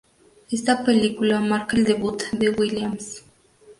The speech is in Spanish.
Esta película marca el debut de Williams.